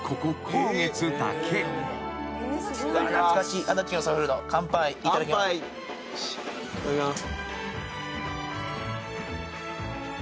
いただきます。